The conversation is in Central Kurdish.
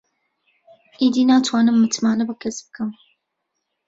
ئیدی ناتوانم متمانە بە کەس بکەم.